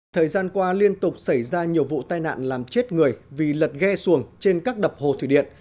thời gian qua liên tục xảy ra nhiều vụ tai nạn làm chết người vì lật ghe xuồng trên các đập hồ thủy điện